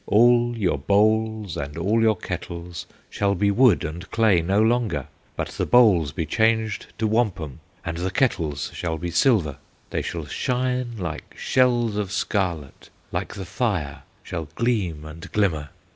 All your bowls and all your kettles Shall be wood and clay no longer; But the bowls be changed to wampum, And the kettles shall be silver; They shall shine like shells of scarlet, Like the fire shall gleam and glimmer.